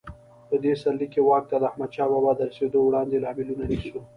په دې سرلیک کې واک ته د احمدشاه بابا د رسېدو وړاندې لاملونه نیسو.